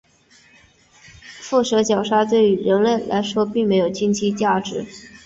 腹蛇角鲨对人类来说并没有经济价值。